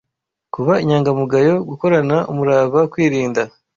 kuba inyangamugayo, gukorana umurava, kwirinda